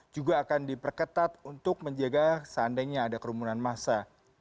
juga akan diperketat untuk menjaga seandainya ada kerumunan massa